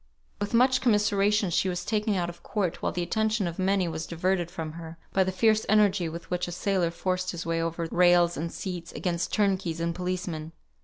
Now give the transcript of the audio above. With much commiseration she was taken out of court, while the attention of many was diverted from her, by the fierce energy with which a sailor forced his way over rails and seats, against turnkeys and policemen.